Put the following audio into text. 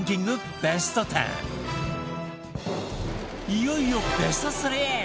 いよいよベスト３